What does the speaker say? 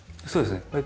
そうですね。